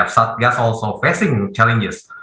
ya satgas juga menghadapi tantangan